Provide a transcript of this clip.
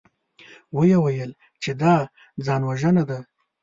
ويې ويل چې دا ځانوژنه ده.